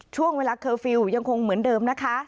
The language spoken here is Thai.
ช่วงเวลาเคอร์ฟิลล์ยังคงเหมือนเดิมนะคะ